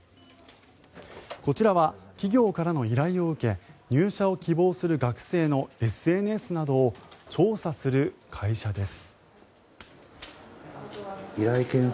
こちらは企業からの依頼を受け入社を希望する学生のＳＮＳなどを調査する会社です。